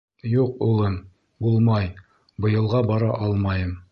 — Юҡ, улым, булмай, быйылға бара алмайым.